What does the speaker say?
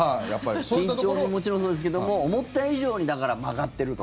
緊張ももちろんそうですけども思った以上に曲がってると。